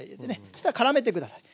そしたらからめて下さい。